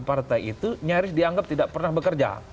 partai itu nyaris dianggap tidak pernah bekerja